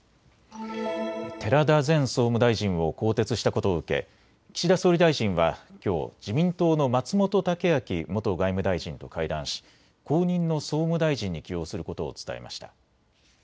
寺田前総務大臣を更迭したことを受け岸田総理大臣はきょう自民党の松本剛明元外務大臣と会談し後任の総務大臣に起用することを伝えました。